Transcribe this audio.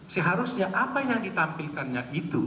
seharusnya apa yang ditampilkannya itu